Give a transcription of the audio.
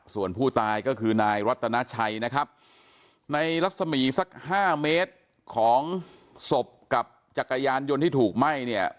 ส่วนผู้ตายก็คือนายรัตนาชัยนะครับในรัศมีสัก๕เมตรของศพกับจักรยานยนต์ที่ถูกไหม้เนี่ย